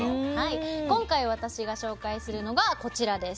今回私が紹介するのがこちらです。